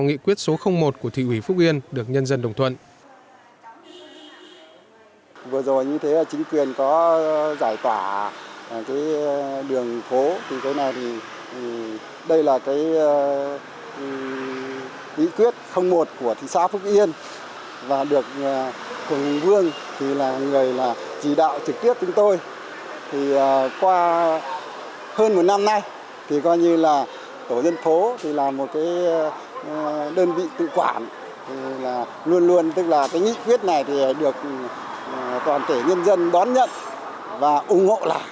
nghị quyết số một của thị ủy phúc yên được nhân dân đồng thuận